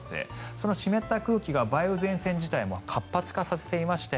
その湿った空気が梅雨前線自体も活発化させていまして